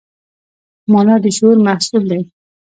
مانا د شعور محصول دی.